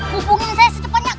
hubungin saya setepanya